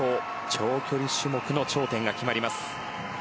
長距離種目の頂点が決まります。